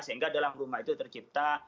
sehingga dalam rumah itu tercipta